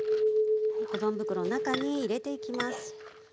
保存袋の中に入れていきます。